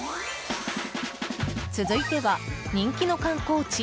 続いては人気の観光地